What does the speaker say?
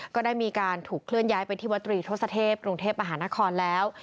ก็ได้มีการถูกเคลื่อนย้ายไปที่วัตรีทศเทพกรุงเทพมหานครแล้ว